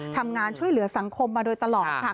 ทำงานช่วยเหลือสังคมมาโดยตลอดค่ะ